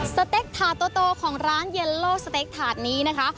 สเต็กถาดโตของร้านเย็นโลสเต็กถาดนี้นะคะ